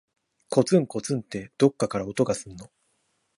こつんこつんって、どっかから音がすんの。